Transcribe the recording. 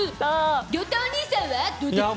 亮太お兄さんはどうだった？